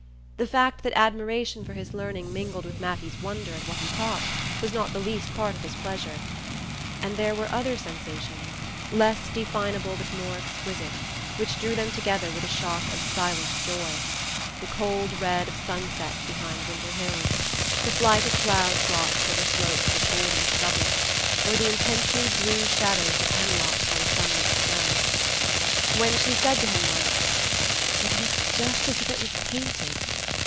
The fact that admiration for his learning mingled with Mattie's wonder at what he taught was not the least part of his pleasure. And there were other sensations, less definable but more exquisite, which drew them together with a shock of silent joy: the cold red of sunset behind winter hills, the flight of cloud flocks over slopes of golden stubble, or the intensely blue shadows of hemlocks on sunlit snow. When she said to him once: "It looks just as if it was painted!"